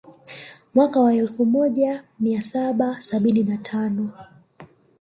Mwaka wa elfu moja mia saba sabini na tano